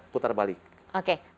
putar balik oke